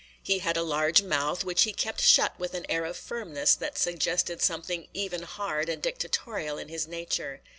He had a large mouth, which he kept shut with an air of firmness that suggested something even hard and dictatorial in his nature.